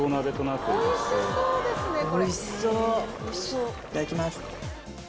いただきます。